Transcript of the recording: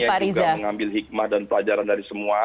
yang juga mengambil hikmah dan pelajaran dari semua